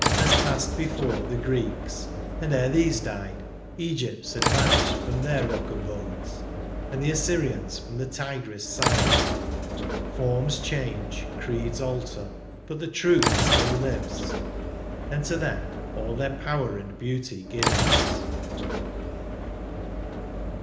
As passed before the Greek's, and ere these died Egypt's had vanished from their rook abodes, And the Assyrian's from the Tigris' side. Forms change, creeds alter, but the truth still lives. And to them all their power and beauty gives.